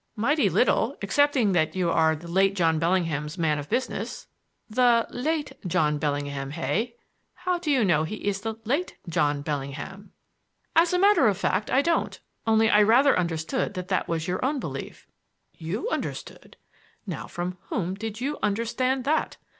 "Mighty little, excepting that you were the late John Bellingham's man of business." "The 'late John Bellingham,' hey! How do you know he is the late John Bellingham?" "As a matter of fact, I don't; only I rather understood that that was your own belief." "You understood! Now from whom did you 'understand' that?